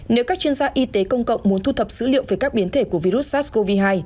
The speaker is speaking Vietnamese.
nếu các chuyên gia y tế công cộng muốn thu thập dữ liệu về các biến thể của virus sars cov hai